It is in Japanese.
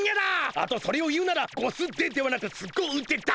あとそれを言うなら「ゴスデ」ではなく「すご腕」だ！